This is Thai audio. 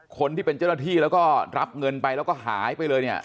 คนที่เป็นเจ้าหน้าที่แล้วก็รับเงินไปแล้วก็หายไปเลยเนี่ย